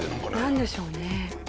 なんでしょうね？